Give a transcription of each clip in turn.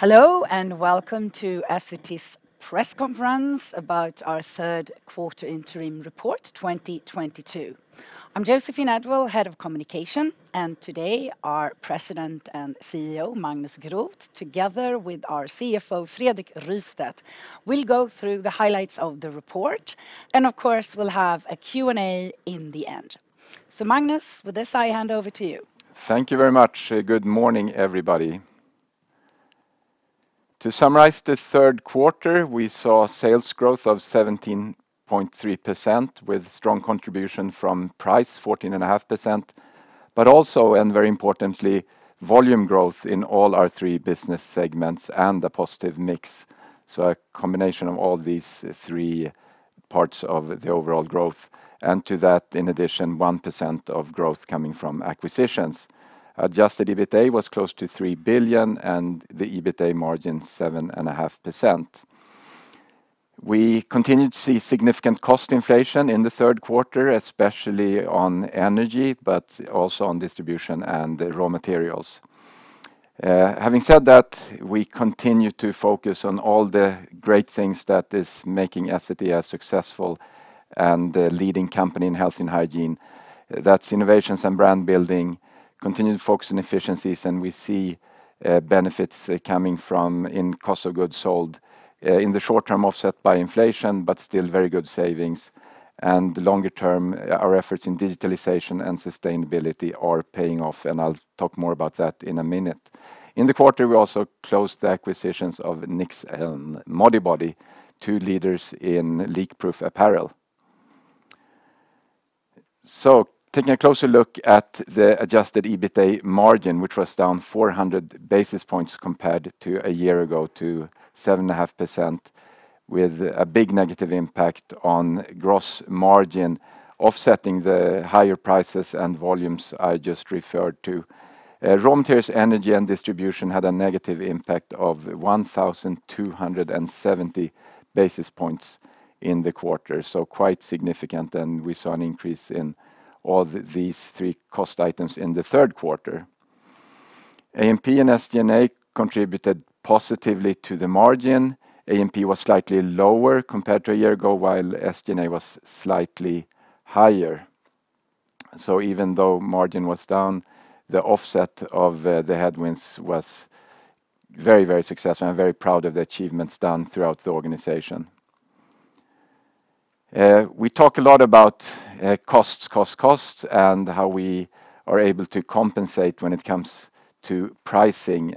Hello, and welcome to Essity's press conference about our third quarter interim report 2022. I'm Joséphine Edwall, Head of Communication, and today our President and CEO, Magnus Groth, together with our CFO, Fredrik Rystedt, will go through the highlights of the report. Of course, we'll have a Q&A in the end. Magnus, with this, I hand over to you. Thank you very much. Good morning, everybody. To summarize the third quarter, we saw sales growth of 17.3% with strong contribution from price 14.5%, but also, and very importantly, volume growth in all our three business segments and a positive mix. A combination of all these three parts of the overall growth. To that, in addition, 1% of growth coming from acquisitions. Adjusted EBITA was close to 3 billion and the EBITA margin 7.5%. We continued to see significant cost inflation in the third quarter, especially on energy, but also on distribution and the raw materials. Having said that, we continue to focus on all the great things that is making Essity a successful and a leading company in health and hygiene. That's innovations and brand building, continued focus on efficiencies, and we see benefits coming from in cost of goods sold in the short term offset by inflation, but still very good savings. The longer term, our efforts in digitalization and sustainability are paying off, and I'll talk more about that in a minute. In the quarter, we also closed the acquisitions of Knix and Modibodi, two leaders in leak-proof apparel. Taking a closer look at the adjusted EBITA margin, which was down 400 basis points compared to a year ago to 7.5% with a big negative impact on gross margin, offsetting the higher prices and volumes I just referred to. Raw materials, energy, and distribution had a negative impact of 1,270 basis points in the quarter. Quite significant, and we saw an increase in all these three cost items in the third quarter. AMP and SG&A contributed positively to the margin. AMP was slightly lower compared to a year ago while SG&A was slightly higher. Even though margin was down, the offset of the headwinds was very, very successful and I'm very proud of the achievements done throughout the organization. We talk a lot about costs and how we are able to compensate when it comes to pricing.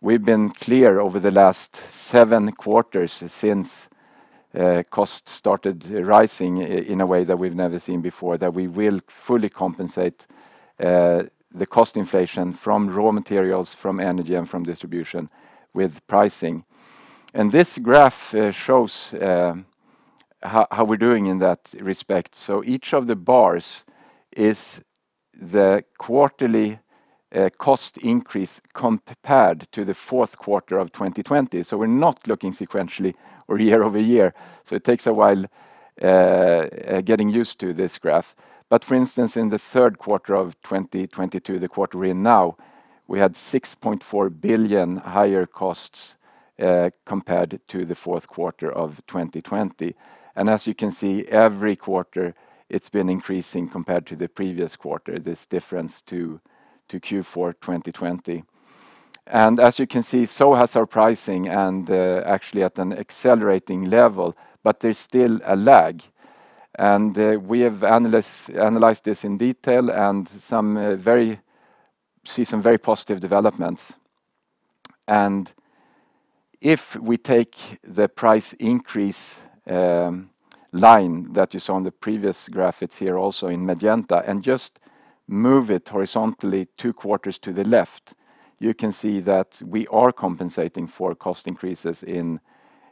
We've been clear over the last seven quarters since costs started rising in a way that we've never seen before, that we will fully compensate the cost inflation from raw materials, from energy and from distribution with pricing. This graph shows how we're doing in that respect. Each of the bars is the quarterly cost increase compared to the fourth quarter of 2020. We're not looking sequentially or year-over-year, so it takes a while getting used to this graph. For instance, in the third quarter of 2022, the quarter we're in now, we had 6.4 billion higher costs compared to the fourth quarter of 2020. As you can see, every quarter it's been increasing compared to the previous quarter, this difference to Q4 2020. As you can see, so has our pricing and actually at an accelerating level, but there's still a lag. We have analyzed this in detail and we've seen some very positive developments. If we take the price increase line that you saw on the previous graph, it's here also in magenta, and just move it horizontally two quarters to the left, you can see that we are compensating for cost increases in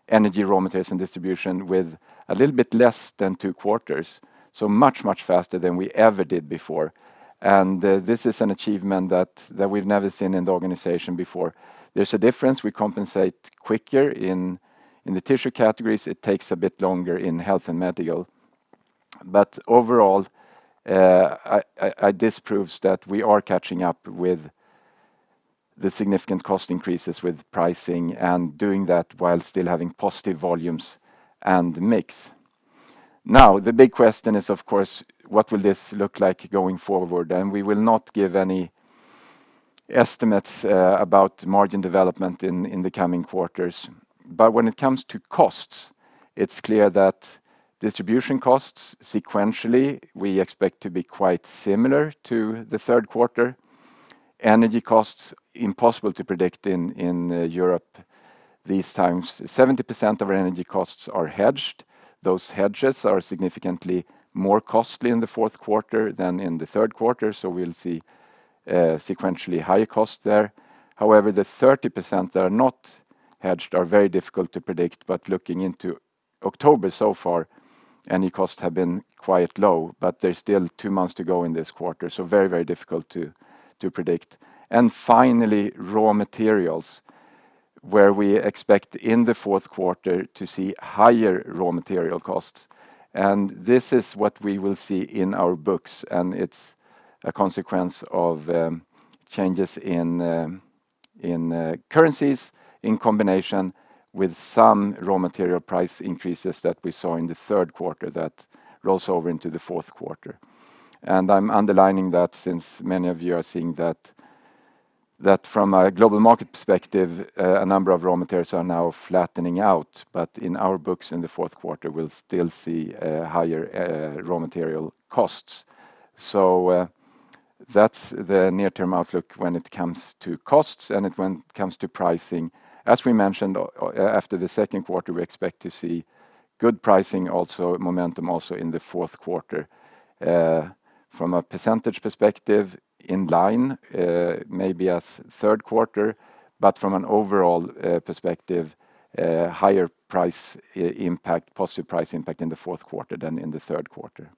energy, raw materials, and distribution with a little bit less than two quarters, so much, much faster than we ever did before. This is an achievement that we've never seen in the organization before. There's a difference. We compensate quicker in the Tissue categories. It takes a bit longer in Health & Medical. Overall, this proves that we are catching up with the significant cost increases with pricing and doing that while still having positive volumes and mix. Now, the big question is, of course, what will this look like going forward? We will not give any estimates about margin development in the coming quarters. When it comes to costs, it's clear that distribution costs sequentially, we expect to be quite similar to the third quarter. Energy costs, impossible to predict in Europe these times. 70% of our energy costs are hedged. Those hedges are significantly more costly in the fourth quarter than in the third quarter, so we'll see sequentially higher cost there. However, the 30% that are not hedged are very difficult to predict, but looking into October so far, energy costs have been quite low, but there's still two months to go in this quarter. Very, very difficult to predict. Finally, raw materials where we expect in the fourth quarter to see higher raw material costs, and this is what we will see in our books, and it's a consequence of changes in currencies in combination with some raw material price increases that we saw in the third quarter that rolls over into the fourth quarter. I'm underlining that since many of you are seeing that from a global market perspective, a number of raw materials are now flattening out. In our books in the fourth quarter, we'll still see higher raw material costs. That's the near-term outlook when it comes to costs and it when it comes to pricing. As we mentioned, after the second quarter, we expect to see good pricing also momentum also in the fourth quarter. From a percentage perspective, in line, maybe with the third quarter, but from an overall perspective, higher price impact, positive price impact in the fourth quarter than in the third quarter.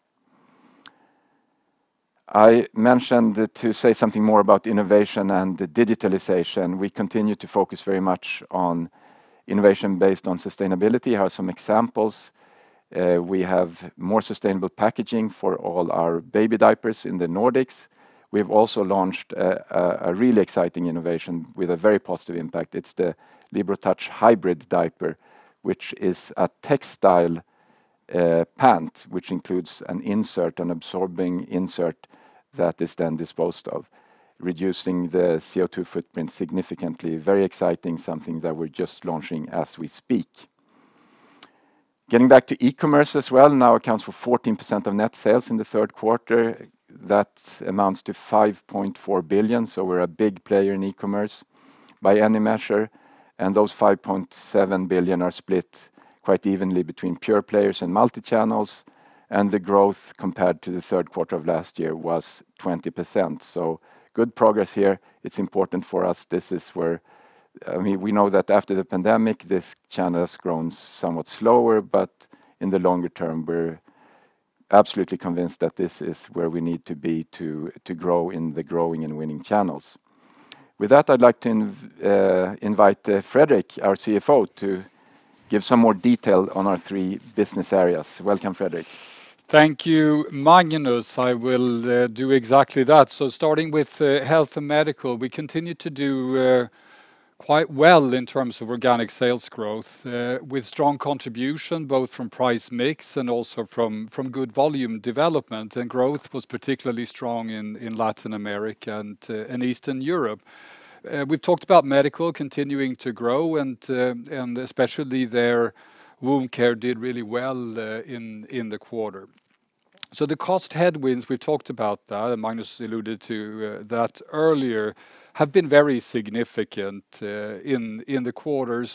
I mentioned to say something more about innovation and the digitalization. We continue to focus very much on innovation based on sustainability. Here are some examples. We have more sustainable packaging for all our baby diapers in the Nordics. We've also launched a really exciting innovation with a very positive impact. It's the Libero Touch Hybrid diaper, which is a textile pant, which includes an insert, an absorbing insert that is then disposed of, reducing the CO2 footprint significantly. Very exciting, something that we're just launching as we speak. Getting back to e-commerce as well now accounts for 14% of net sales in the third quarter. That amounts to 5.4 billion, so we're a big player in e-commerce by any measure, and those 5.7 billion are split quite evenly between pure players and multi-channels. The growth compared to the third quarter of last year was 20%. Good progress here. It's important for us. This is where I mean, we know that after the pandemic, this channel has grown somewhat slower, but in the longer term, we're absolutely convinced that this is where we need to be to grow in the growing and winning channels. With that, I'd like to invite Fredrik, our CFO, to give some more detail on our three business areas. Welcome, Fredrik. Thank you, Magnus. I will do exactly that. Starting with Health & Medical, we continue to do quite well in terms of organic sales growth, with strong contribution both from price mix and also from good volume development. Growth was particularly strong in Latin America and in Eastern Europe. We've talked about Medical continuing to grow and especially their wound care did really well in the quarter. The cost headwinds, we've talked about that, and Magnus alluded to that earlier, have been very significant in the quarter.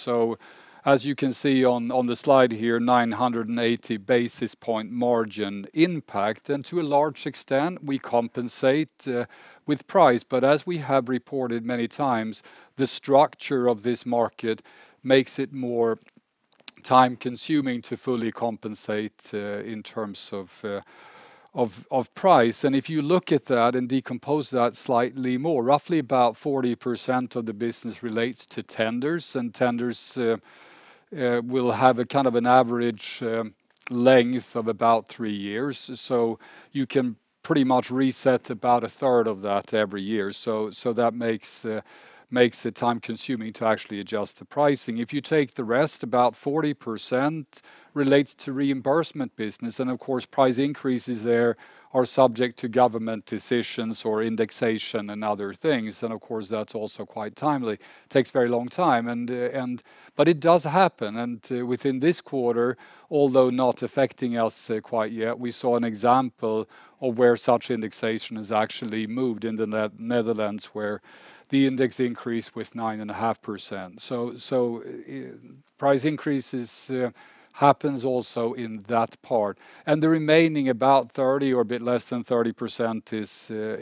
As you can see on the slide here, 980 basis points margin impact. To a large extent, we compensate with price. As we have reported many times, the structure of this market makes it more time-consuming to fully compensate in terms of price. If you look at that and decompose that slightly more, roughly about 40% of the business relates to tenders. Tenders will have a kind of an average length of about three years. You can pretty much reset about 1/3 of that every year. That makes it time-consuming to actually adjust the pricing. If you take the rest, about 40% relates to reimbursement business, and of course, price increases there are subject to government decisions or indexation and other things. Of course, that's also quite time-consuming. It takes a very long time, but it does happen. Within this quarter, although not affecting us quite yet, we saw an example of where such indexation has actually moved in the Netherlands, where the index increased with 9.5%. Price increases happen also in that part. The remaining about 30% or a bit less than 30%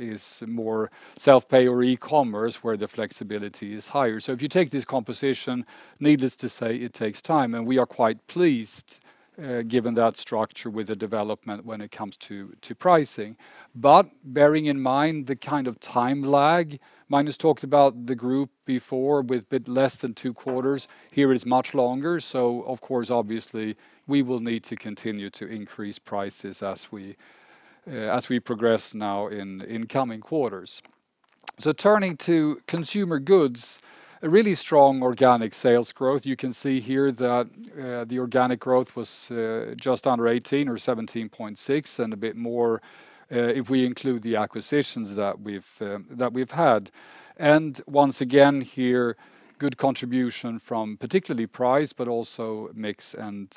is more self-pay or e-commerce, where the flexibility is higher. If you take this composition, needless to say, it takes time, and we are quite pleased given that structure with the development when it comes to pricing. Bearing in mind the kind of time lag, Magnus talked about the group before with a bit less than two quarters. Here it's much longer. Of course, obviously, we will need to continue to increase prices as we progress now in coming quarters. Turning to Consumer Goods, a really strong organic sales growth. You can see here that the organic growth was just under 18% or 17.6% and a bit more if we include the acquisitions that we've had. Once again here, good contribution from particularly price, but also mix and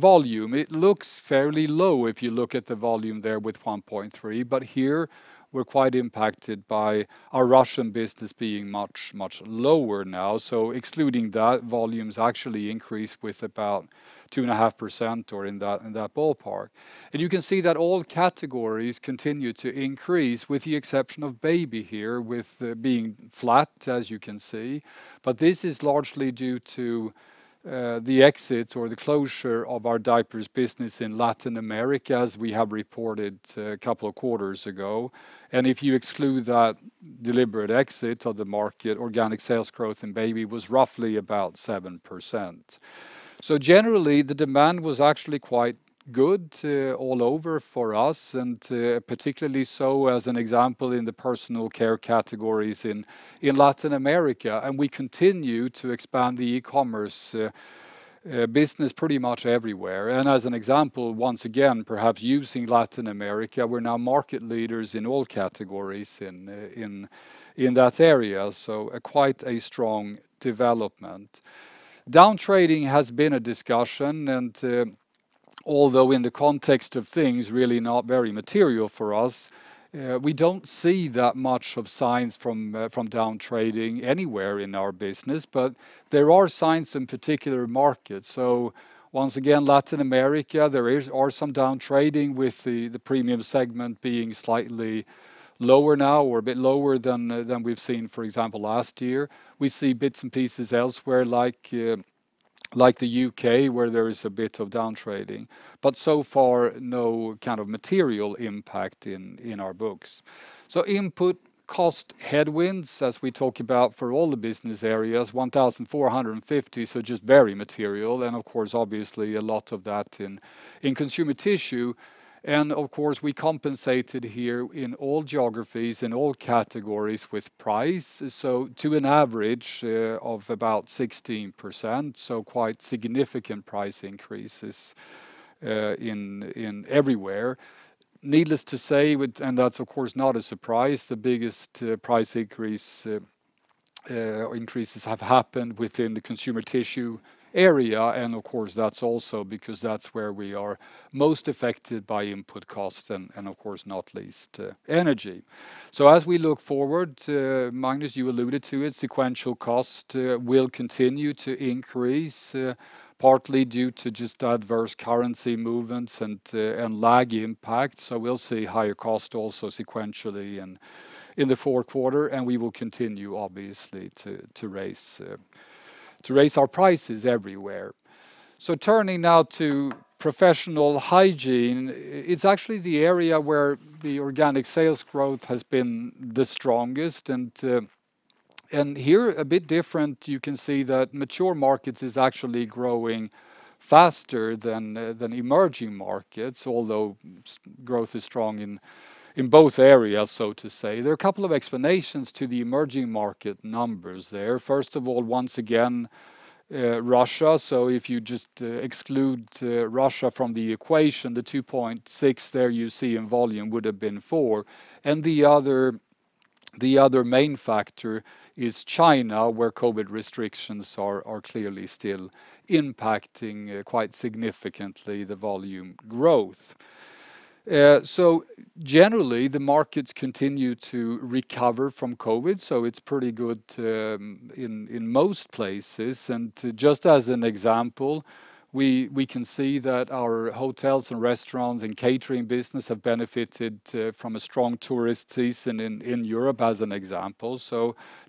volume. It looks fairly low if you look at the volume there with 1.3%. Here we're quite impacted by our Russian business being much lower now. Excluding that, volumes actually increased with about 2.5% or in that ballpark. You can see that all categories continue to increase, with the exception of Baby here, being flat, as you can see. This is largely due to the exit or the closure of our diapers business in Latin America, as we have reported a couple of quarters ago. If you exclude that deliberate exit of the market, organic sales growth in Baby was roughly about 7%. Generally, the demand was actually quite good all over for us, and particularly so as an example in the personal care categories in Latin America. We continue to expand the e-commerce business pretty much everywhere. As an example, once again, perhaps using Latin America, we're now market leaders in all categories in that area, so quite a strong development. Down trading has been a discussion, and although in the context of things really not very material for us, we don't see that much of signs from down trading anywhere in our business. There are signs in particular markets. Once again, Latin America, there are some down trading with the premium segment being slightly lower now or a bit lower than we've seen, for example, last year. We see bits and pieces elsewhere, like the U.K., where there is a bit of down trading. So far, no kind of material impact in our books. Input cost headwinds, as we talk about for all the business areas, 1,450, so just very material, and of course obviously a lot of that in Consumer Tissue. Of course, we compensated here in all geographies, in all categories with price. To an average of about 16%, quite significant price increases in everywhere. Needless to say, that's of course not a surprise. The biggest price increases have happened within the Consumer Tissue area. Of course that's also because that's where we are most affected by input cost and, of course not least, energy. As we look forward, Magnus, you alluded to it, sequential cost will continue to increase, partly due to just adverse currency movements and lag impact. We'll see higher cost also sequentially in the fourth quarter, and we will continue obviously to raise our prices everywhere. Turning now to Professional Hygiene. It's actually the area where the organic sales growth has been the strongest. Here a bit different, you can see that mature markets is actually growing faster than emerging markets, although sales growth is strong in both areas, so to say. There are a couple of explanations to the emerging market numbers there. First of all, once again, Russia. If you just exclude Russia from the equation, the 2.6% there you see in volume would've been 4%. The other main factor is China, where COVID restrictions are clearly still impacting quite significantly the volume growth. Generally, the markets continue to recover from COVID, so it's pretty good in most places. Just as an example, we can see that our hotels and restaurants and catering business have benefited from a strong tourist season in Europe, as an example.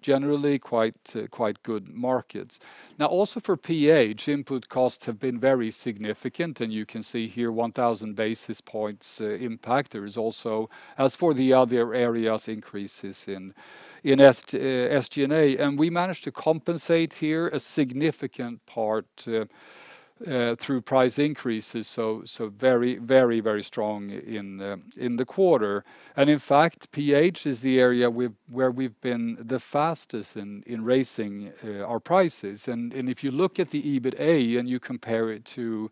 Generally, quite good markets. Now, also for PH, input costs have been very significant, and you can see here 1,000 basis points impact. There is also, as for the other areas, increases in SG&A. We managed to compensate here a significant part through price increases, so very strong in the quarter. In fact, PH is the area where we've been the fastest in raising our prices. If you look at the EBITA and you compare it to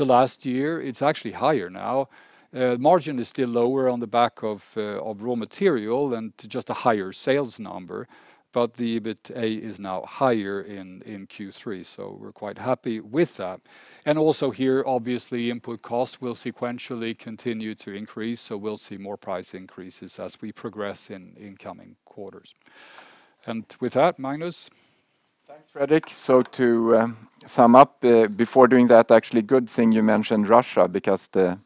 last year, it's actually higher now. Margin is still lower on the back of raw material and just a higher sales number. The EBITA is now higher in Q3, so we're quite happy with that. Also here, obviously, input costs will sequentially continue to increase, so we'll see more price increases as we progress in incoming quarters. With that, Magnus? Thanks, Fredrik. To sum up, before doing that, actually good thing you mentioned Russia because the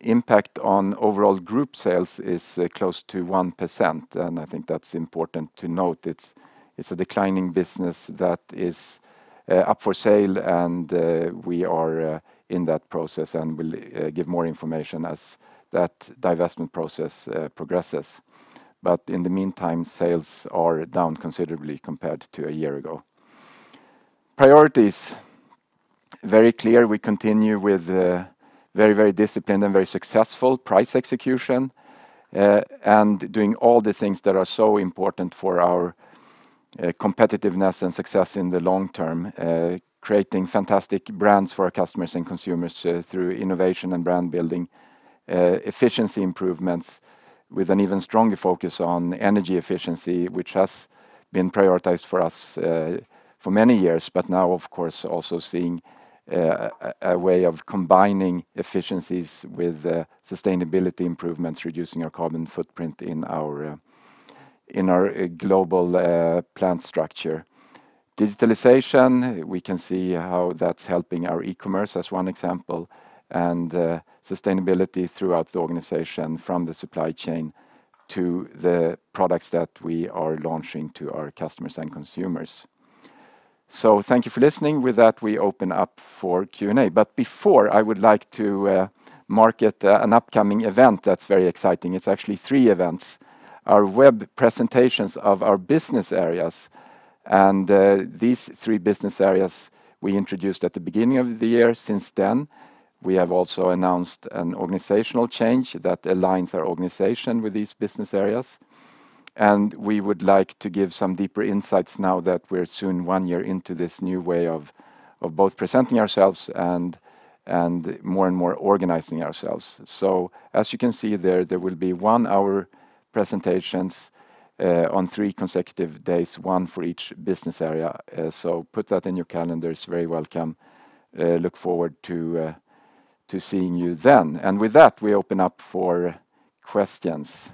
impact on overall group sales is close to 1%, and I think that's important to note. It's a declining business that is up for sale, and we are in that process and will give more information as that divestment process progresses. In the meantime, sales are down considerably compared to a year ago. Priorities, very clear. We continue with a very, very disciplined and very successful price execution and doing all the things that are so important for our competitiveness and success in the long term. Creating fantastic brands for our customers and consumers through innovation and brand building. Efficiency improvements with an even stronger focus on energy efficiency, which has been prioritized for us, for many years. Now, of course, also seeing a way of combining efficiencies with sustainability improvements, reducing our carbon footprint in our global plant structure. Digitalization, we can see how that's helping our e-commerce as one example, and sustainability throughout the organization from the supply chain to the products that we are launching to our customers and consumers. Thank you for listening. With that, we open up for Q&A. Before, I would like to mention an upcoming event that's very exciting. It's actually three events. Our web presentations of our business areas and these three business areas we introduced at the beginning of the year. Since then, we have also announced an organizational change that aligns our organization with these business areas. We would like to give some deeper insights now that we're soon one year into this new way of both presenting ourselves and more and more organizing ourselves. As you can see there will be one-hour presentations on three consecutive days, one for each business area. Put that in your calendars. Very welcome. Look forward to seeing you then. With that, we open up for questions.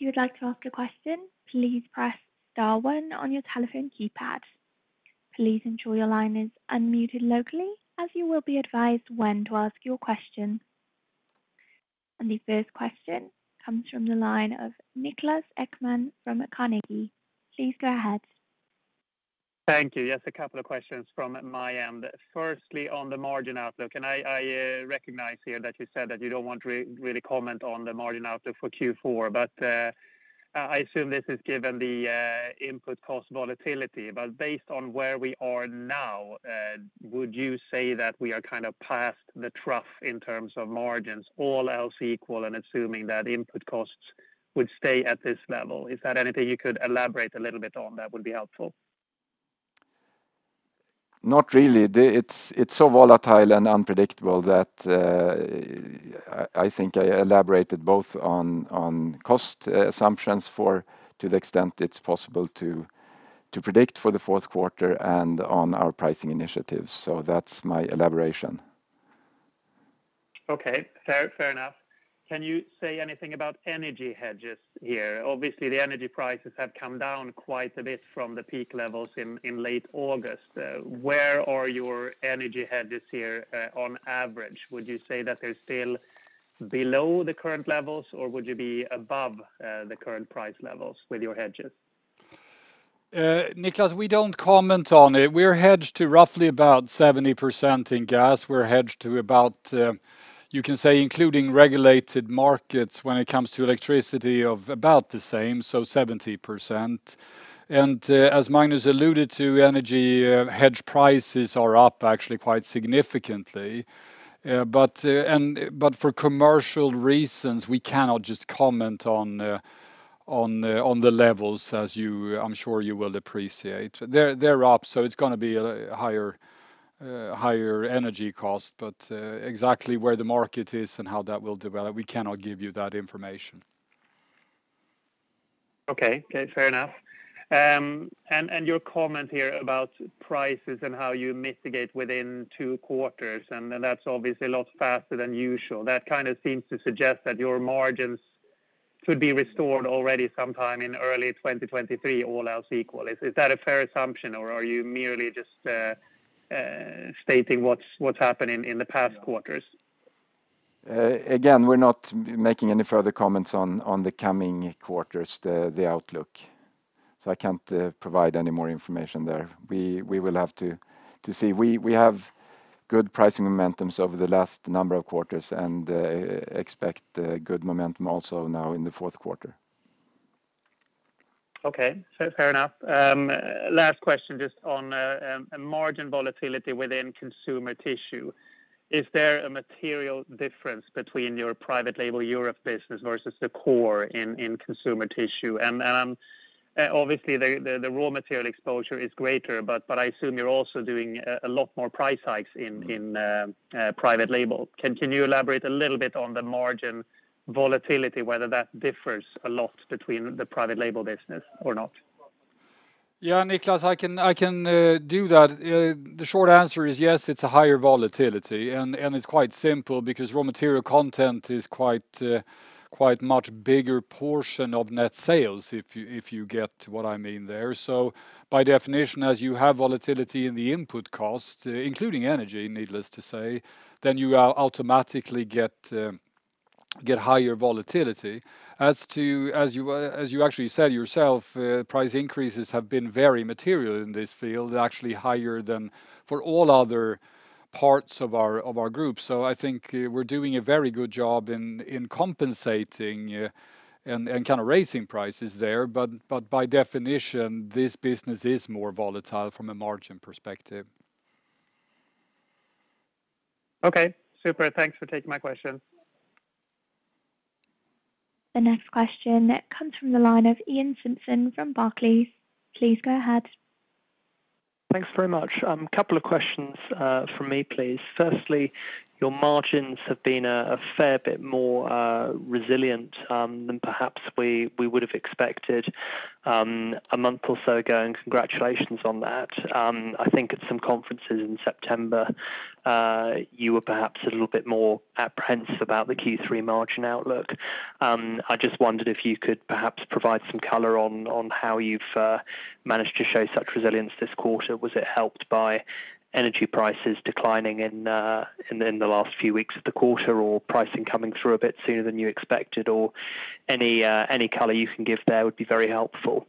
If you would like to ask a question, please press star one on your telephone keypad. Please ensure your line is unmuted locally, as you will be advised when to ask your question. The first question comes from the line of Niklas Ekman from Carnegie. Please go ahead. Thank you. Yes, a couple of questions from my end. Firstly, on the margin outlook, and I recognize here that you said that you don't want to really comment on the margin outlook for Q4. I assume this is given the input cost volatility. Based on where we are now, would you say that we are kind of past the trough in terms of margins, all else equal, and assuming that input costs would stay at this level? Is that anything you could elaborate a little bit on that would be helpful? Not really. It's so volatile and unpredictable that I think I elaborated both on cost assumptions for to the extent it's possible to predict for the fourth quarter and on our pricing initiatives. That's my elaboration. Okay. Fair enough. Can you say anything about energy hedges here? Obviously, the energy prices have come down quite a bit from the peak levels in late August. Where are your energy hedges here, on average? Would you say that they're still below the current levels, or would you be above the current price levels with your hedges? Niklas, we don't comment on it. We're hedged to roughly about 70% in gas. We're hedged to about, you can say including regulated markets when it comes to electricity, of about the same, so 70%. As Magnus alluded to, energy hedge prices are up actually quite significantly. For commercial reasons, we cannot just comment on the levels as you I'm sure you will appreciate. They're up, so it's gonna be a higher energy cost. Exactly where the market is and how that will develop, we cannot give you that information. Okay. Okay, fair enough. Your comment here about prices and how you mitigate within two quarters, and then that's obviously a lot faster than usual. That kind of seems to suggest that your margins could be restored already sometime in early 2023, all else equal. Is that a fair assumption, or are you merely just stating what's happening in the past quarters? Again, we're not making any further comments on the coming quarters, the outlook. I can't provide any more information there. We will have to see. We have good pricing momentums over the last number of quarters and expect good momentum also now in the fourth quarter. Okay. Fair enough. Last question just on margin volatility within Consumer Tissue. Is there a material difference between your private label Europe business versus the core in Consumer Tissue? Obviously the raw material exposure is greater, but I assume you're also doing a lot more price hikes in- Mm-hmm in private label. Can you elaborate a little bit on the margin volatility, whether that differs a lot between the private label business or not? Yeah, Niklas, I can do that. The short answer is yes, it's a higher volatility. It's quite simple because raw material content is quite much bigger portion of net sales, if you get what I mean there. By definition, as you have volatility in the input cost, including energy, needless to say, then you are automatically get higher volatility. As you actually said yourself, price increases have been very material in this field, actually higher than for all other parts of our group. I think we're doing a very good job in compensating and kind of raising prices there. By definition, this business is more volatile from a margin perspective. Okay, super. Thanks for taking my question. The next question comes from the line of Iain Simpson from Barclays. Please go ahead. Thanks very much. Couple of questions from me, please. Firstly, your margins have been a fair bit more resilient than perhaps we would have expected a month or so ago, and congratulations on that. I think at some conferences in September you were perhaps a little bit more apprehensive about the Q3 margin outlook. I just wondered if you could perhaps provide some color on how you've managed to show such resilience this quarter. Was it helped by energy prices declining in the last few weeks of the quarter, or pricing coming through a bit sooner than you expected, or any color you can give there would be very helpful.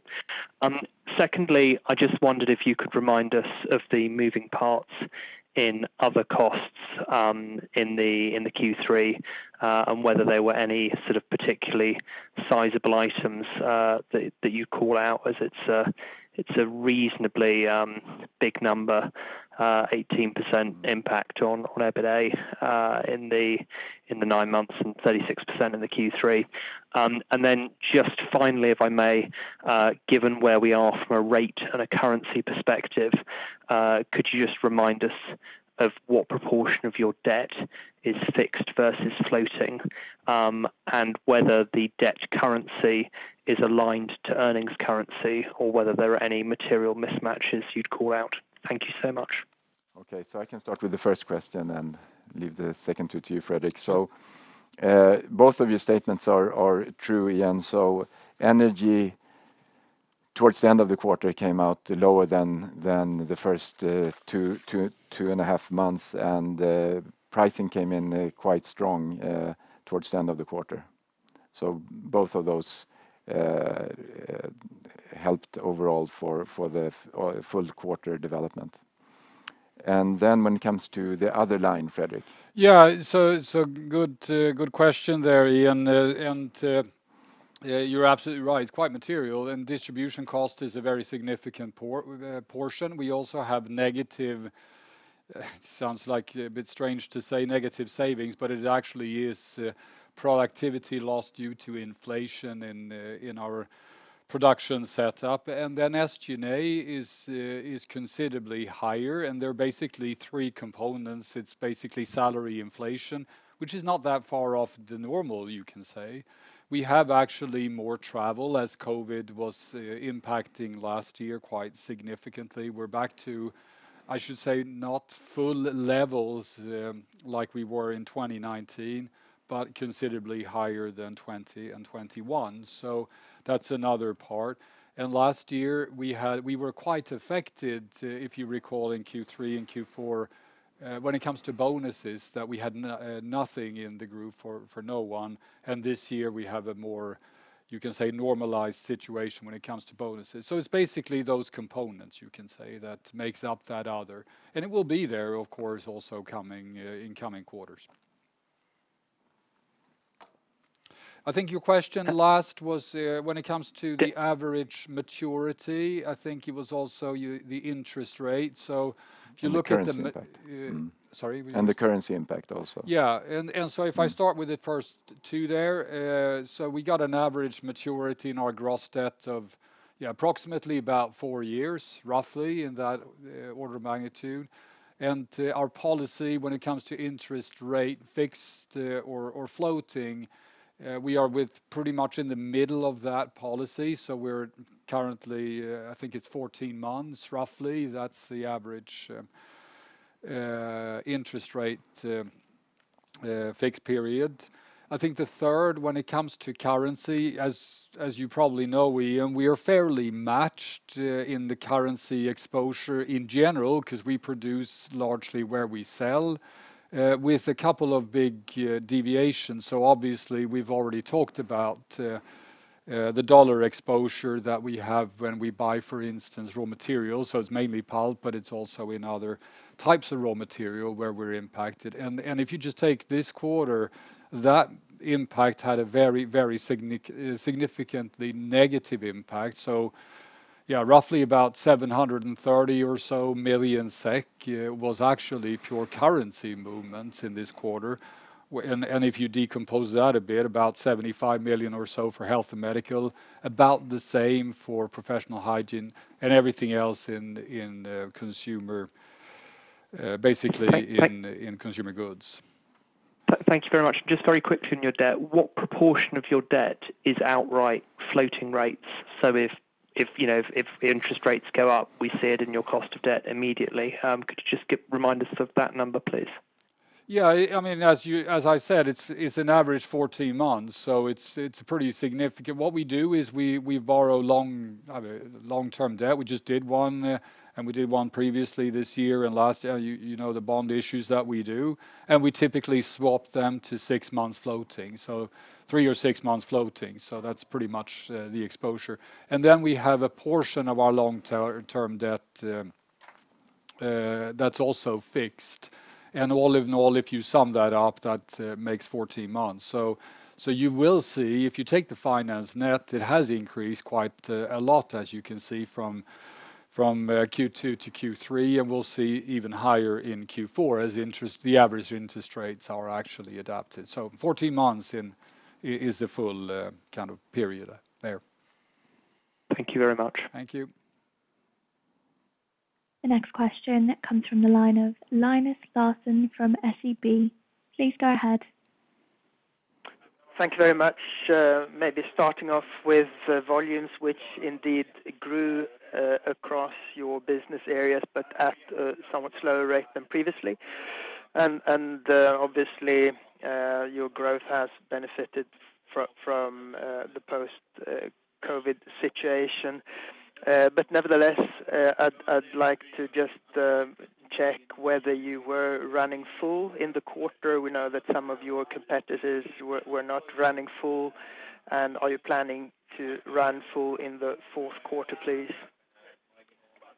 Secondly, I just wondered if you could remind us of the moving parts in other costs in the Q3, and whether there were any sort of particularly sizable items that you call out as it's a reasonably big number, 18% impact on EBITA in the nine months and 36% in the Q3. Just finally, if I may, given where we are from a rate and a currency perspective, could you just remind us of what proportion of your debt is fixed versus floating? Whether the debt currency is aligned to earnings currency or whether there are any material mismatches you'd call out? Thank you so much. Okay. I can start with the first question, and leave the second to you, Fredrik. Both of your statements are true, Iain. Energy towards the end of the quarter came out lower than the first two and a half months. Pricing came in quite strong towards the end of the quarter. Both of those helped overall for the full quarter development. When it comes to the other line, Fredrik. Yeah. Good question there, Iain. Yeah, you're absolutely right. It's quite material and distribution cost is a very significant portion. We also have negative savings, but it sounds a bit strange to say negative savings. It actually is productivity lost due to inflation in our production setup. Then SG&A is considerably higher, and there are basically three components. It's basically salary inflation, which is not that far off the normal, you can say. We have actually more travel as COVID was impacting last year quite significantly. We're back to, I should say, not full levels like we were in 2019, but considerably higher than 2020 and 2021. That's another part. Last year we were quite affected, if you recall, in Q3 and Q4, when it comes to bonuses that we had nothing in the group for no one. This year we have a more, you can say, normalized situation when it comes to bonuses. It's basically those components you can say that makes up that other, and it will be there of course, also coming in coming quarters. I think your question last was, when it comes to the average maturity, I think it was also you the interest rate. If you look at the m- The currency impact. Sorry? The currency impact also. If I start with the first two there, so we got an average maturity in our gross debt of approximately about four years, roughly in that order of magnitude. Our policy when it comes to interest rate fixed or floating, we are pretty much in the middle of that policy. We're currently, I think it's 14 months roughly. That's the average interest rate fixed period. I think the third, when it comes to currency, as you probably know, Iain, we are fairly matched in the currency exposure in general 'cause we produce largely where we sell with a couple of big deviations. Obviously we've already talked about the dollar exposure that we have when we buy, for instance, raw materials. It's mainly pulp, but it's also in other types of raw material where we're impacted. If you just take this quarter, that impact had a very significantly negative impact. Yeah, roughly about 730 million or so was actually pure currency movements in this quarter. If you decompose that a bit, about 75 million or so for Health & Medical, about the same for Professional Hygiene and everything else in consumer, basically in- Thank, thank- in Consumer Goods. Thank you very much. Just very quickly on your debt, what proportion of your debt is outright floating rates? So if you know if interest rates go up, we see it in your cost of debt immediately. Could you just remind us of that number, please? Yeah, I mean, as I said, it's an average 14 months, so it's pretty significant. What we do is we borrow long-term debt. We just did one, and we did one previously this year and last year. You know, the bond issues that we do, and we typically swap them to six months floating, so three or six months floating. That's pretty much the exposure. Then we have a portion of our long-term debt that's also fixed. All in all, if you sum that up, that makes 14 months. You will see if you take the net finance, it has increased quite a lot as you can see from Q2 to Q3. We'll see even higher in Q4 as the average interest rates are actually adapted. 14 months in is the full kind of period there. Thank you very much. Thank you. The next question comes from the line of Linus Larsson from SEB. Please go ahead. Thank you very much. Maybe starting off with volumes which indeed grew across your business areas, but at a somewhat slower rate than previously. Obviously, your growth has benefited from the post-COVID situation. Nevertheless, I'd like to just check whether you were running full in the quarter. We know that some of your competitors were not running full. Are you planning to run full in the fourth quarter, please?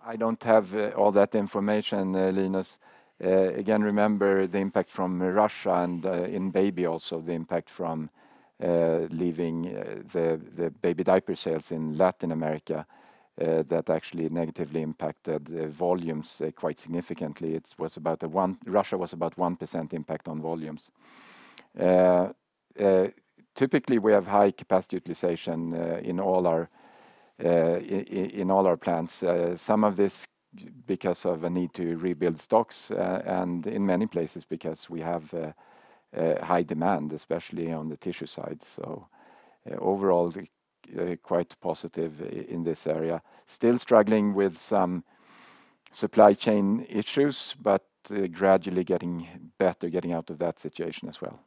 I don't have all that information, Linus. Again, remember the impact from Russia and in Baby also the impact from leaving the baby diaper sales in Latin America that actually negatively impacted volumes quite significantly. Russia was about 1% impact on volumes. Typically we have high capacity utilization in all our plants. Some of this because of a need to rebuild stocks and in many places because we have high demand, especially on the tissue side. Overall, quite positive in this area. Still struggling with some supply chain issues, but gradually getting better, getting out of that situation as well.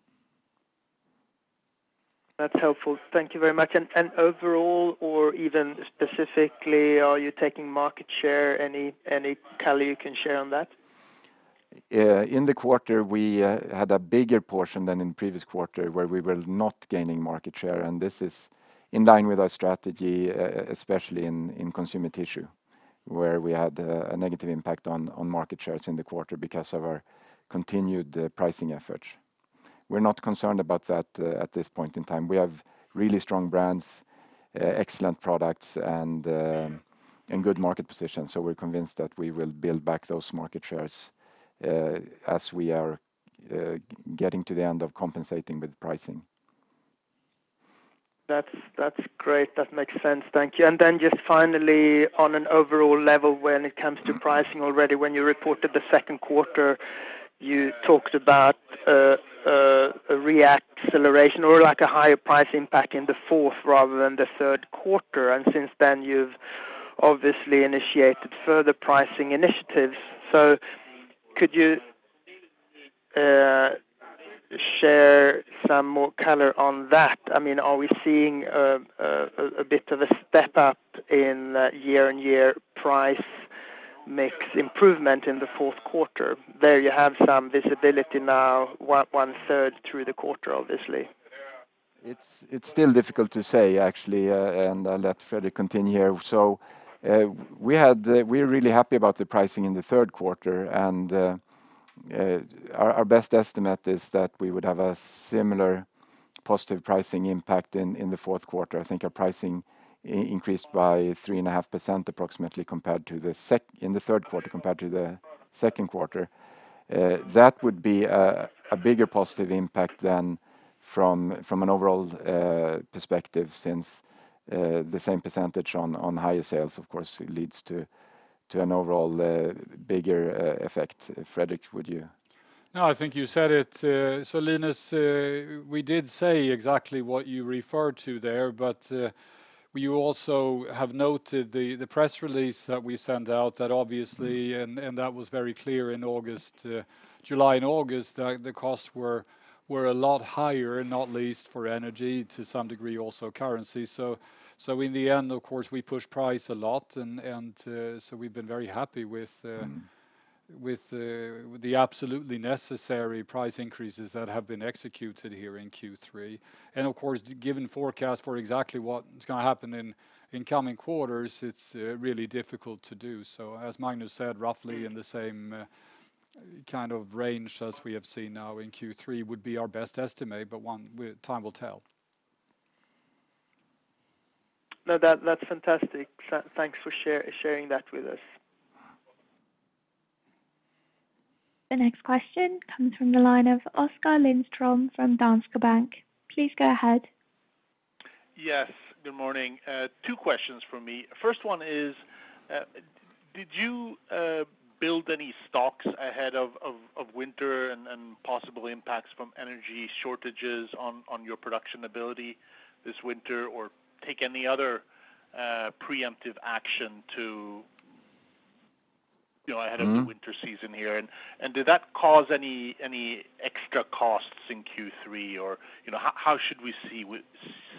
That's helpful. Thank you very much. Overall, or even specifically, are you taking market share? Any color you can share on that? In the quarter we had a bigger portion than in previous quarter where we were not gaining market share. This is in line with our strategy, especially in Consumer Tissue, where we had a negative impact on market shares in the quarter because of our continued pricing efforts. We're not concerned about that at this point in time. We have really strong brands, excellent products, and good market position, so we're convinced that we will build back those market shares as we are getting to the end of compensating with pricing. That's great. That makes sense. Thank you. Just finally, on an overall level, when it comes to pricing already, when you reported the second quarter, you talked about a re-acceleration or like a higher price impact in the fourth rather than the third quarter. Since then you've obviously initiated further pricing initiatives. Could you share some more color on that? I mean, are we seeing a bit of a step up in year-on-year price mix improvement in the fourth quarter? There you have some visibility now, one third through the quarter, obviously. It's still difficult to say actually, and I'll let Fredrik continue. We're really happy about the pricing in the third quarter, and our best estimate is that we would have a similar positive pricing impact in the fourth quarter. I think our pricing increased by 3.5%, approximately, in the third quarter compared to the second quarter. That would be a bigger positive impact than from an overall perspective, since the same percentage on higher sales, of course, leads to an overall bigger effect. Fredrik, would you? No, I think you said it. Linus, we did say exactly what you referred to there, but you also have noted the press release that we sent out. That obviously and that was very clear in August, July and August, the costs were a lot higher, not least for energy, to some degree, also currency. In the end, of course, we pushed price a lot and so we've been very happy with the absolutely necessary price increases that have been executed here in Q3. Of course, given forecast for exactly what's gonna happen in coming quarters, it's really difficult to do. As Magnus said, roughly in the same kind of range as we have seen now in Q3 would be our best estimate, but time will tell. No, that's fantastic. Thanks for sharing that with us. The next question comes from the line of Oskar Lindström from Danske Bank. Please go ahead. Yes, good morning. Two questions from me. First one is, did you build any stocks ahead of winter and possible impacts from energy shortages on your production ability this winter? Or take any other preemptive action to, you know? Mm-hmm Ahead of the winter season here? Did that cause any extra costs in Q3? You know, how should we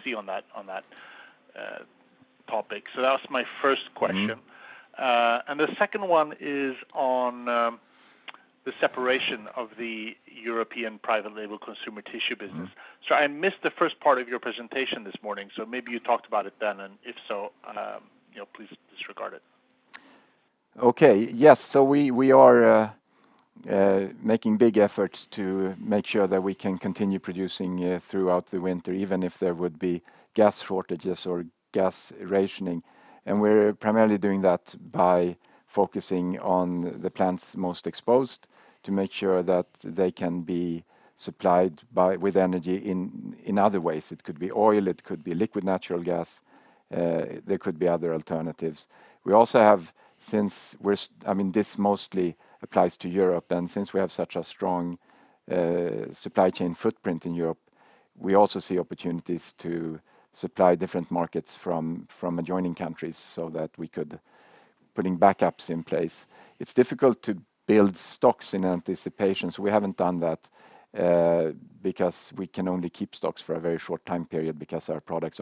see on that, topic? That was my first question. Mm-hmm. The second one is on the separation of the European Private Label Consumer Tissue business. Mm-hmm. I missed the first part of your presentation this morning, so maybe you talked about it then. If so, you know, please disregard it. Okay. Yes. We are making big efforts to make sure that we can continue producing throughout the winter, even if there would be gas shortages or gas rationing. We're primarily doing that by focusing on the plants most exposed to make sure that they can be supplied with energy in other ways. It could be oil, it could be liquid natural gas, there could be other alternatives. We also have, since I mean, this mostly applies to Europe, and since we have such a strong supply chain footprint in Europe, we also see opportunities to supply different markets from adjoining countries so that we could put backups in place. It's difficult to build stocks in anticipation, so we haven't done that, because we can only keep stocks for a very short time period because our products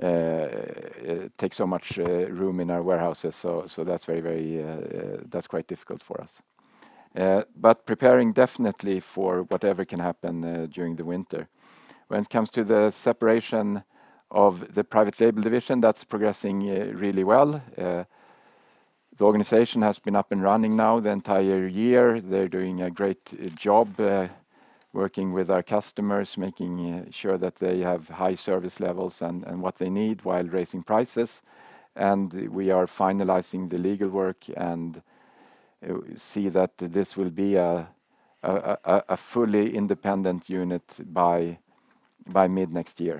take so much room in our warehouses. So that's very difficult for us. Preparing definitely for whatever can happen during the winter. When it comes to the separation of the private label division, that's progressing really well. The organization has been up and running now the entire year. They're doing a great job working with our customers, making sure that they have high service levels and what they need while raising prices. We are finalizing the legal work and see that this will be a fully independent unit by mid-next year.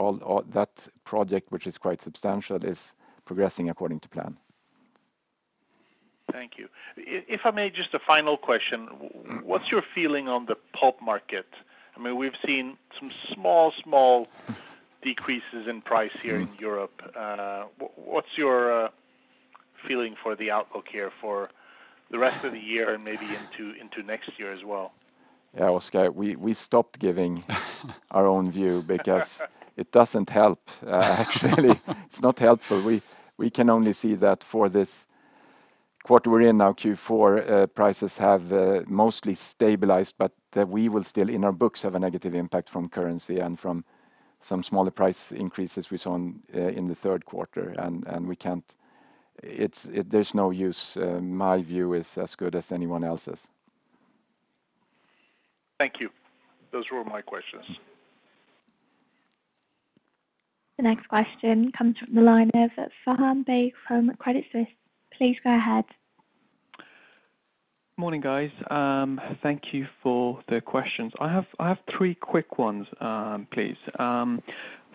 All that project, which is quite substantial, is progressing according to plan. Thank you. If I may just a final question? Mm-hmm. What's your feeling on the pulp market? I mean, we've seen some small decreases in price here. Mm-hmm... in Europe. What's your feeling for the outlook here for the rest of the year and maybe into next year as well? Yeah, Oskar, we stopped giving our own view because it doesn't help, actually. It's not helpful. We can only see that for this quarter we're in now, Q4, prices have mostly stabilized, but that we will still, in our books, have a negative impact from currency and from some smaller price increases we saw in the third quarter. We can't. There's no use. My view is as good as anyone else's. Thank you. Those were all my questions. The next question comes from the line of Faham Baig from Credit Suisse. Please go ahead. Morning, guys. Thank you for the questions. I have three quick ones, please.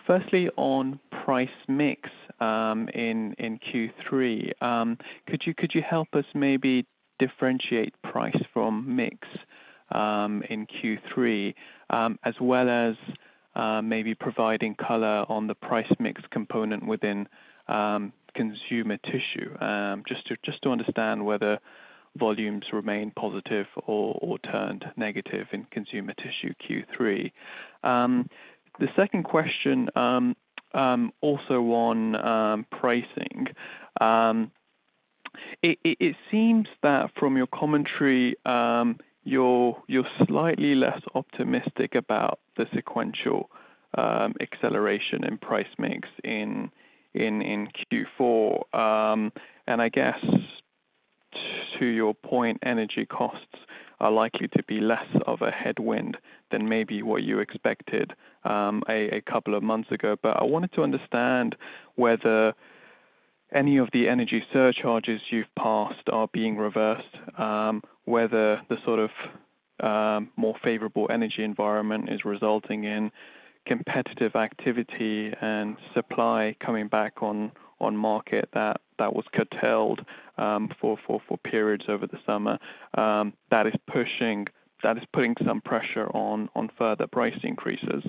Firstly, on price mix, in Q3, could you help us maybe differentiate price from mix, in Q3? As well as maybe providing color on the price mix component within Consumer Tissue, just to understand whether volumes remained positive or turned negative in Consumer Tissue Q3. The second question, also on pricing. It seems that from your commentary, you're slightly less optimistic about the sequential acceleration in price mix in Q4. I guess to your point, energy costs are likely to be less of a headwind than maybe what you expected, a couple of months ago. I wanted to understand whether any of the energy surcharges you've passed are being reversed, whether the sort of more favorable energy environment is resulting in competitive activity and supply coming back on market that was curtailed for periods over the summer that is putting some pressure on further price increases.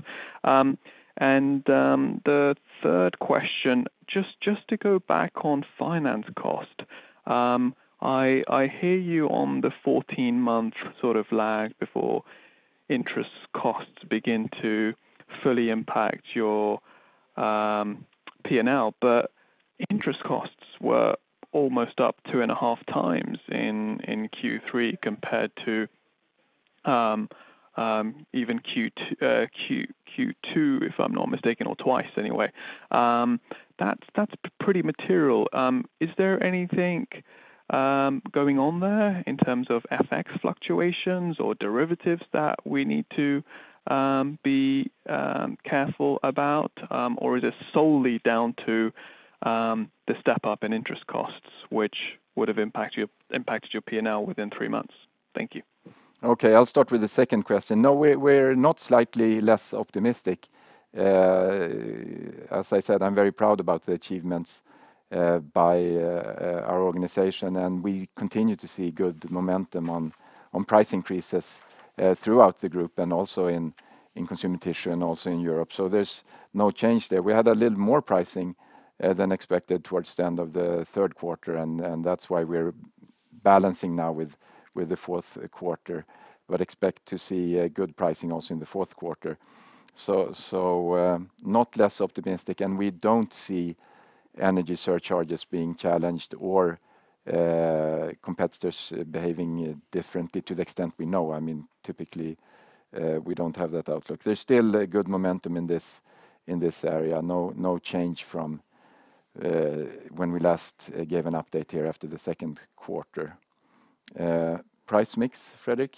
The third question, just to go back on finance cost. I hear you on the 14-month sort of lag before interest costs begin to fully impact your P&L, but interest costs were almost up two and a half times in Q3 compared to even Q2, if I'm not mistaken, or twice anyway. That's pretty material. Is there anything going on there in terms of FX fluctuations or derivatives that we need to be careful about? Is this solely down to the step up in interest costs, which would have impacted your P&L within three months? Thank you. Okay, I'll start with the second question. No, we're not slightly less optimistic. As I said, I'm very proud about the achievements by our organization, and we continue to see good momentum on price increases throughout the group and also in Consumer Tissue and also in Europe. There's no change there. We had a little more pricing than expected towards the end of the third quarter, and that's why we're balancing now with the fourth quarter, but expect to see a good pricing also in the fourth quarter. Not less optimistic, and we don't see energy surcharges being challenged or competitors behaving differently to the extent we know. I mean, typically, we don't have that outlook. There's still a good momentum in this area. No, no change from when we last gave an update here after the second quarter. Price mix, Fredrik?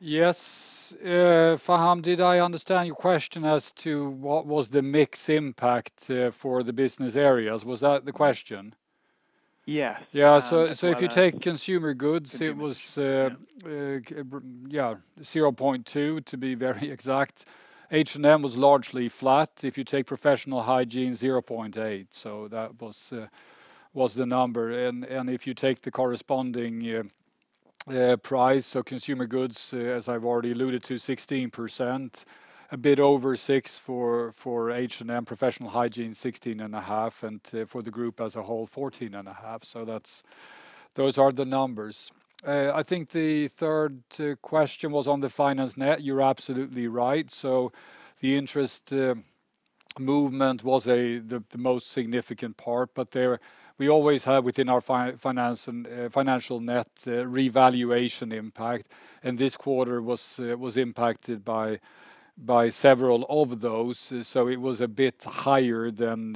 Yes. Faham, did I understand your question as to what was the mix impact for the business areas? Was that the question? Yeah. If you take Consumer Goods, it was 0.2% to be very exact. Health & Medical was largely flat. If you take Professional Hygiene, 0.8%. That was the number. If you take the corresponding price, Consumer Goods, as I've already alluded to, 16%, a bit over 6% for H&M, Professional Hygiene, 16.5%, and for the group as a whole, 14.5%. Those are the numbers. I think the third question was on the financial net. You're absolutely right. The interest movement was the most significant part, but we always have within our financial net revaluation impact, and this quarter was impacted by several of those. It was a bit higher than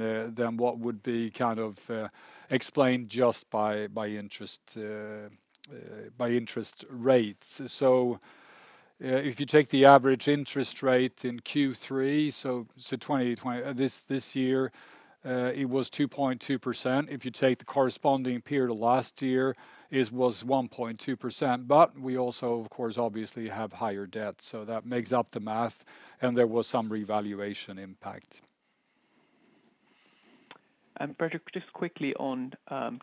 what would be kind of explained just by interest rates. If you take the average interest rate in Q3 this year, it was 2.2%. If you take the corresponding period of last year, it was 1.2%. We also, of course, obviously have higher debt, so that makes up the math, and there was some revaluation impact. Fredrik, just quickly on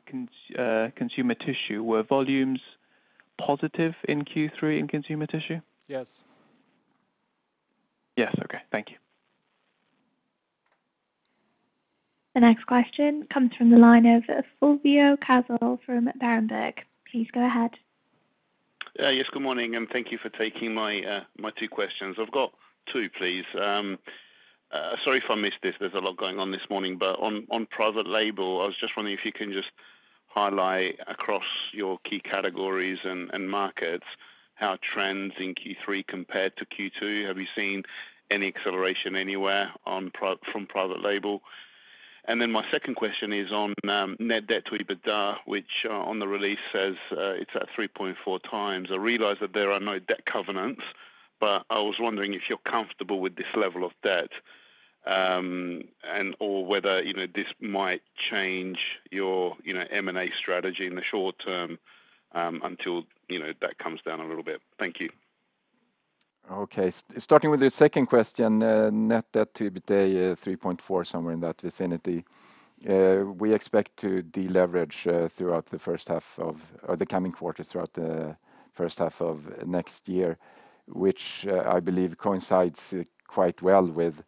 Consumer Tissue. Were volumes positive in Q3 in Consumer Tissue? Yes. Yes. Okay. Thank you. The next question comes from the line of Fulvio Cazzol from Berenberg. Please go ahead. Yes, good morning, and thank you for taking my two questions. I've got two, please. Sorry if I missed this, there's a lot going on this morning. On private label, I was just wondering if you can just highlight across your key categories and markets how trends in Q3 compared to Q2. Have you seen any acceleration anywhere from private label? My second question is on net debt-to-EBITDA, which on the release says it's at 3.4 times. I realize that there are no debt covenants, but I was wondering if you're comfortable with this level of debt, and/or whether, you know, this might change your, you know, M&A strategy in the short term, until, you know, debt comes down a little bit. Thank you. Okay. Starting with your second question, net debt-to-EBITDA 3.4, somewhere in that vicinity. We expect to deleverage throughout the coming quarters throughout the first half of next year, which I believe coincides quite well with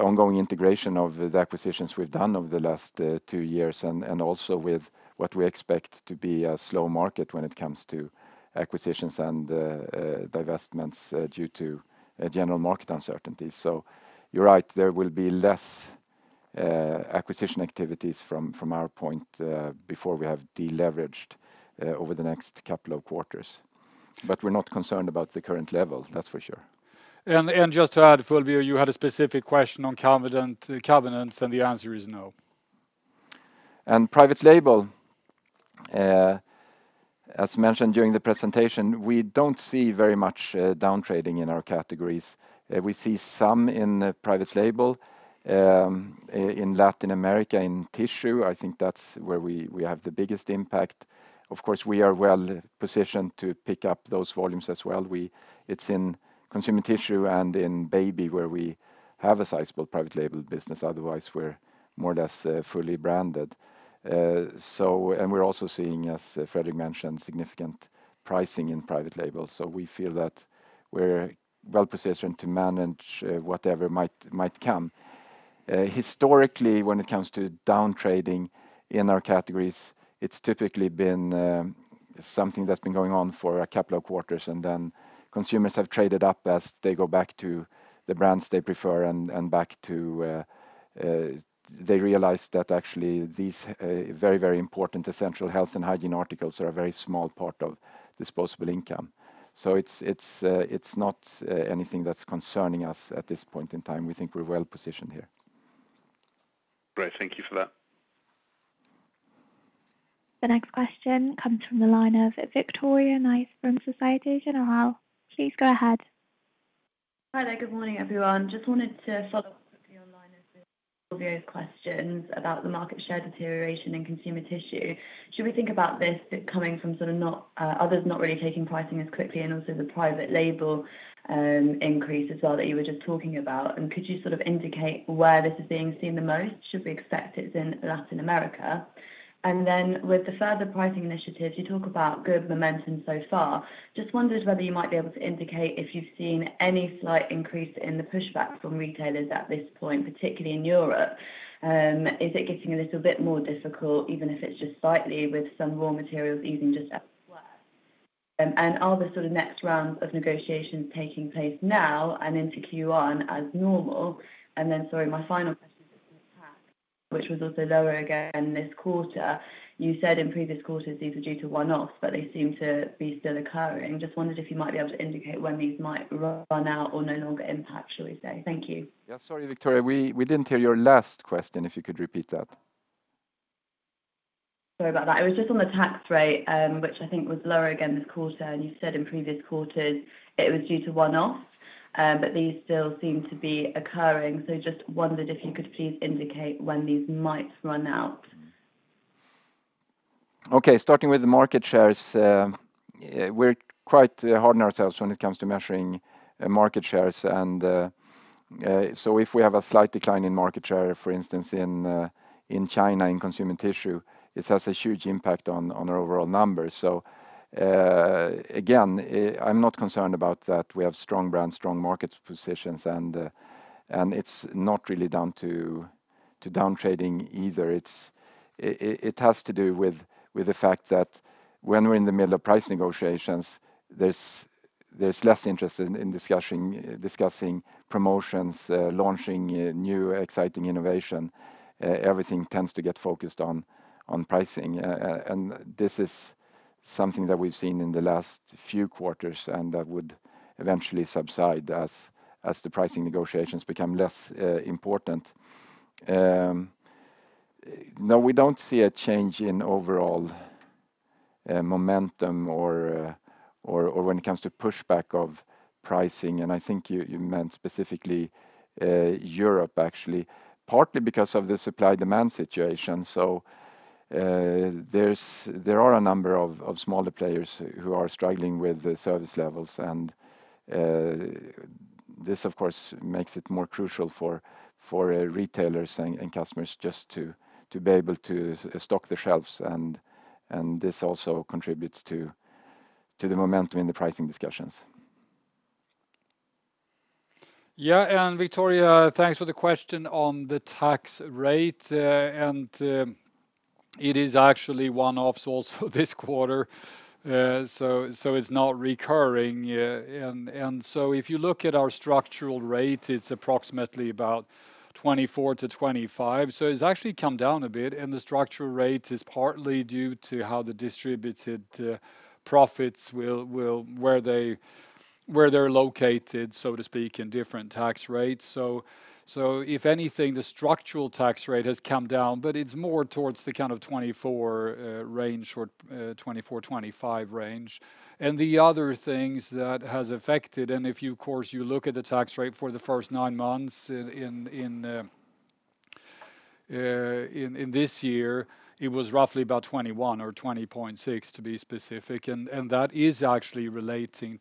ongoing integration of the acquisitions we've done over the last two years, and also with what we expect to be a slow market when it comes to acquisitions and divestments due to a general market uncertainty. You're right, there will be less acquisition activities from our point before we have deleveraged over the next couple of quarters. We're not concerned about the current level, that's for sure. Just to add, Fulvio, you had a specific question on covenants, and the answer is no. Private label, as mentioned during the presentation, we don't see very much down trading in our categories. We see some in private label in Latin America, in tissue. I think that's where we have the biggest impact. Of course, we are well positioned to pick up those volumes as well. It's in Consumer Tissue and in Baby where we have a sizable private label business, otherwise, we're more or less fully branded. We're also seeing, as Fredrik mentioned, significant pricing in private labels. We feel that we're well-positioned to manage whatever might come. Historically, when it comes to down trading in our categories, it's typically been something that's been going on for a couple of quarters, and then consumers have traded up as they go back to the brands they prefer. They realize that actually these very important essential health and hygiene articles are a very small part of disposable income. It's not anything that's concerning us at this point in time. We think we're well-positioned here. Great. Thank you for that. The next question comes from the line of Victoria Nice from Société Générale. Please go ahead. Hi there. Good morning, everyone. Just wanted to follow up quickly on Fulvio's questions about the market share deterioration in Consumer Tissue. Should we think about this coming from sort of not others not really taking pricing as quickly and also the private label increase as well that you were just talking about? Could you sort of indicate where this is being seen the most? Should we expect it in Latin America? With the further pricing initiatives, you talk about good momentum so far. Just wondered whether you might be able to indicate if you've seen any slight increase in the pushback from retailers at this point, particularly in Europe. Is it getting a little bit more difficult, even if it's just slightly with some raw materials easing just as well? Are the sort of next rounds of negotiations taking place now and into Q1 as normal? Then, sorry, my final question is on tax, which was also lower again this quarter. You said in previous quarters, these were due to one-offs, but they seem to be still occurring. Just wondered if you might be able to indicate when these might run out or no longer impact, shall we say. Thank you. Yeah. Sorry, Victoria. We didn't hear your last question, if you could repeat that. Sorry about that. It was just on the tax rate, which I think was lower again this quarter, and you said in previous quarters it was due to one-offs, but these still seem to be occurring. Just wondered if you could please indicate when these might run out. Okay. Starting with the market shares, we're quite hard on ourselves when it comes to measuring market shares. If we have a slight decline in market share, for instance, in China, in Consumer Tissue, this has a huge impact on our overall numbers. Again, I'm not concerned about that. We have strong brands, strong market positions, and it's not really down to down trading either. It has to do with the fact that when we're in the middle of price negotiations, there's less interest in discussing promotions, launching a new exciting innovation. Everything tends to get focused on pricing. This is something that we've seen in the last few quarters, and that would eventually subside as the pricing negotiations become less important. No, we don't see a change in overall momentum or when it comes to pushback of pricing, and I think you meant specifically Europe actually, partly because of the supply-demand situation. There are a number of smaller players who are struggling with the service levels and this of course makes it more crucial for retailers and customers just to be able to stock the shelves and this also contributes to the momentum in the pricing discussions. Yeah, Victoria, thanks for the question on the tax rate. It is actually one-offs also this quarter, it's not recurring. If you look at our structural rate, it's approximately about 24%-25%. It's actually come down a bit, and the structural rate is partly due to how the distributed profits will where they're located, so to speak, in different tax rates. If anything, the structural tax rate has come down, but it's more towards the kind of 24% range or 24%-25% range. The other things that has affected, and if you, of course, look at the tax rate for the first nine months in this year, it was roughly about 21% or 20.6% to be specific. That is actually relating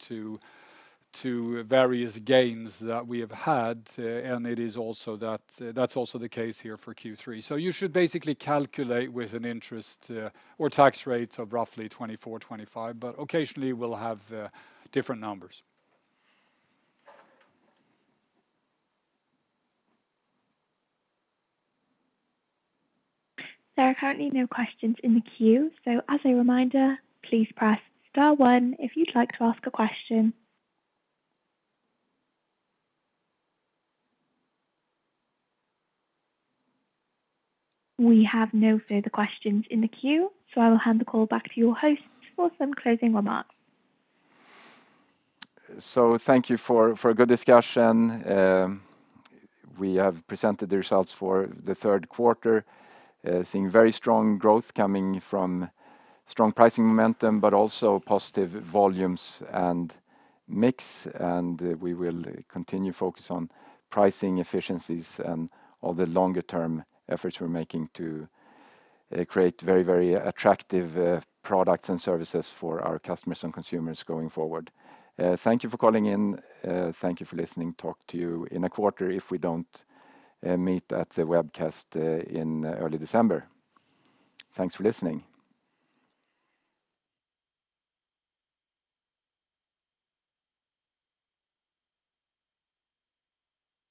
to various gains that we have had, and it is also that that's also the case here for Q3. You should basically calculate with an interest or tax rate of roughly 24%-25%, but occasionally we'll have different numbers. There are currently no questions in the queue. As a reminder, please press star one if you'd like to ask a question. We have no further questions in the queue, so I will hand the call back to your host for some closing remarks. Thank you for a good discussion. We have presented the results for the third quarter, seeing very strong growth coming from strong pricing momentum, but also positive volumes and mix. We will continue focus on pricing efficiencies and all the longer term efforts we're making to create very, very attractive products and services for our customers and consumers going forward. Thank you for calling in. Thank you for listening. Talk to you in a quarter if we don't meet at the webcast in early December. Thanks for listening.